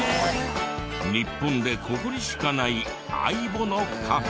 日本でここにしかないａｉｂｏのカフェ。